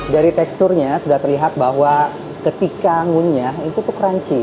dari teksturnya sudah terlihat bahwa ketika ngunyah itu tuh crunchy